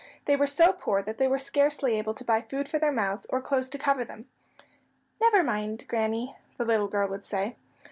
They were so poor that they were scarcely able to buy food for their mouths, or clothes to cover them. "Never mind, Granny," the little girl would say.